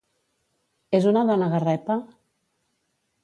És una dona garrepa?